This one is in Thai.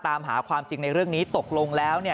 ตามหาความจริงในเรื่องนี้ตกลงแล้วเนี่ย